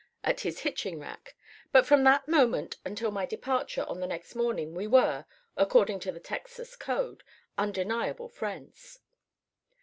at his hitching rack; but from that moment until my departure on the next morning we were, according to the Texas code, undeniable friends.